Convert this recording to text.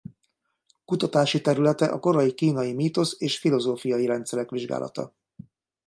Kutatási területe a korai kínai mítosz- és filozófiai rendszerek vizsgálata.